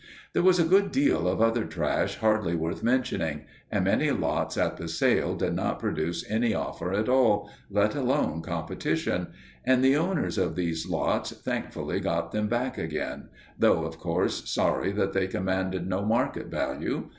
There was a good deal of other trash hardly worth mentioning, and many lots at the sale did not produce any offer at all, let alone competition; and the owners of these lots thankfully got them back again, though, of course, sorry that they commanded no market value.